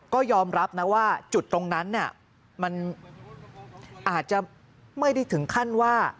ก็ยอมรับนะว่าจุดตรงนั้นมันอาจจะไม่ได้ถึงขั้นว่า